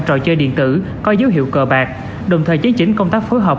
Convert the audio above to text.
trò chơi điện tử có dấu hiệu cờ bạc đồng thời chấn chỉnh công tác phối hợp